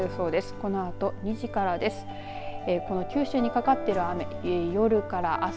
このあと２時からです。